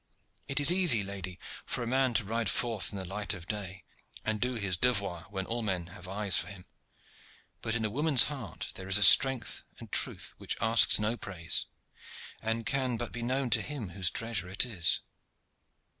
It is easy, lady, for a man to ride forth in the light of day, and do his devoir when all men have eyes for him. But in a woman's heart there is a strength and truth which asks no praise, and can but be known to him whose treasure it is."